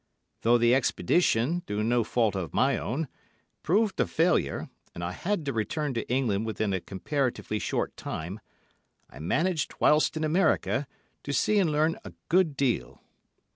Though the expedition, through no fault of my own, proved a failure, and I had to return to England within a comparatively short time, I managed, whilst in America, to see and learn a good deal.